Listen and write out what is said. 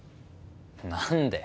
何で？